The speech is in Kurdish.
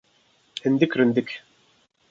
Hindik rindik.